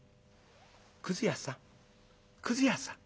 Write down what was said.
「くず屋さんくず屋さん」。